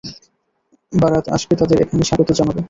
বারাত আসবে, তাদের এখানে স্বাগত জানাবো।